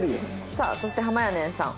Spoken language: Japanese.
さあそしてはまやねんさん。